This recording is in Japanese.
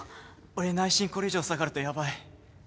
俺内申これ以上下がるとヤバい。